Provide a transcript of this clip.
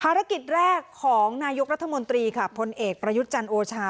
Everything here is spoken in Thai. ภารกิจแรกของนายกรัฐมนตรีค่ะพลเอกประยุทธ์จันทร์โอชา